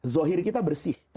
zohir kita bersih